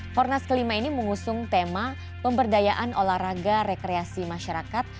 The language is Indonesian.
fornas kelima ini mengusung tema pemberdayaan olahraga rekreasi masyarakat